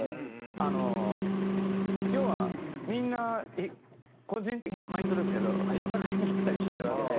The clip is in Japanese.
あの要はみんな個人的なマインドですけど戦いに行ったりしてるわけで。